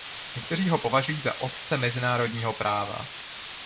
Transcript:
Někteří ho považují za „otce mezinárodního práva“.